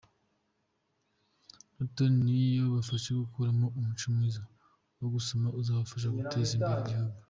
Rotary ni yo ibafasha gukurana umuco mwiza wo gusoma uzabafasha guteza imbere igihugu.